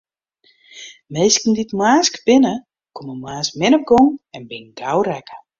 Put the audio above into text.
Minsken dy't moarnsk binne, komme moarns min op gong en binne gau rekke.